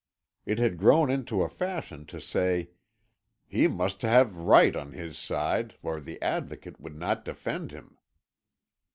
It had grown into a fashion to say, "He must have right on his side, or the Advocate would not defend him."